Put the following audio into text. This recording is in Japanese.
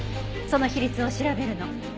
その比率を調べるの。